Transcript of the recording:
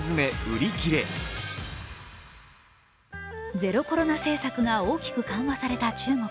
ゼロコロナ政策が大きく緩和された中国。